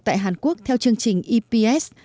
tại hàn quốc theo chương trình eps